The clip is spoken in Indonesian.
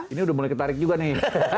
ini udah mulai ketarik juga nih